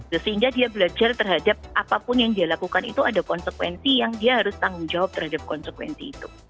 sehingga dia belajar terhadap apapun yang dia lakukan itu ada konsekuensi yang dia harus tanggung jawab terhadap konsekuensi itu